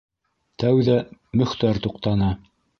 Тәүҙә Мөхтәр туҡтаны.